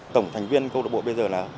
tổng thành viên câu lạc bộ bây giờ là